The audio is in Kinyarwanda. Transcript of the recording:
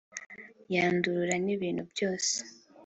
yandurura n'ibintu byose